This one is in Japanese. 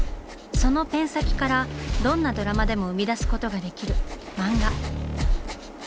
そのペン先からどんなドラマでも生み出すことができる「漫画」。